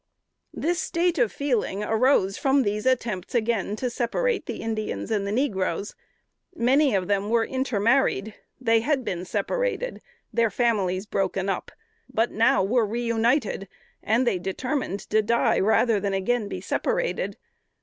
This state of feeling arose from these attempts again to separate the Indians and negroes. Many of them were intermarried: they had been separated; their families broken up, but were now reunited, and they determined to die rather than be again separated.